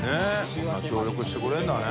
海鵑協力してくれるんだね。